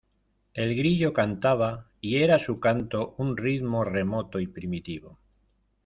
el grillo cantaba, y era su canto un ritmo remoto y primitivo.